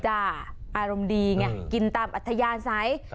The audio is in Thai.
อารมณ์ดีไงกินตามอัธยาศัย